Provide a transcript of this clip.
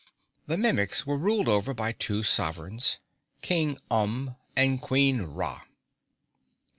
The Mimics were ruled over by two sovereigns King Umb and Queen Ra.